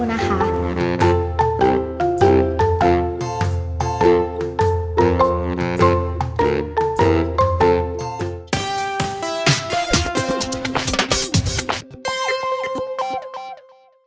ในฐานะตอนนี้แพทย์รับสองตำแหน่งแล้วนะคะ